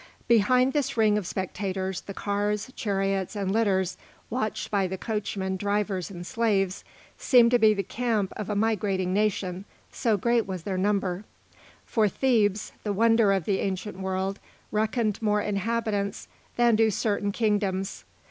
Behind this ring of spectators the cars, chariots, and litters watched by the coachmen, drivers, and slaves, seemed to be the camp of a migrating nation, so great was their number; for Thebes, the wonder of the ancient world, reckoned more inhabitants than do certain kingdoms.